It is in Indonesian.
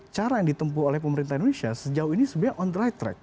cara yang ditempuh oleh pemerintah indonesia sejauh ini sebenarnya on the right track